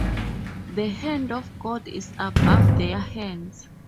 The Hand of God is above their hands.